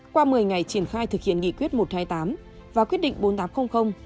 qua một mươi ngày triển khai thực hiện nghị quyết một trăm hai mươi tám và quyết định bốn nghìn tám trăm linh